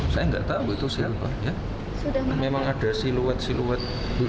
saya nggak tahu itu siapa memang ada siluet siluet